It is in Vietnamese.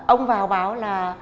ông vào báo là